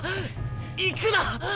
行くな。